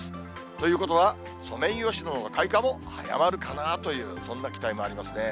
ということはソメイヨシノの開花も早まるかなという、そんな期待もありますね。